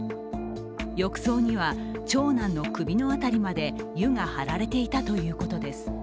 浴槽には長男の首の辺りまで湯が張られていたということです。